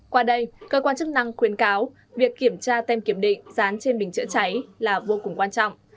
qua đây cơ quan chức năng khuyến cáo việc kiểm tra tem kiểm định dán trên bình chữa cháy là vô cùng quan trọng